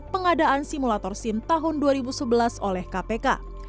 pengadaan simulator sim tahun dua ribu sebelas oleh kpk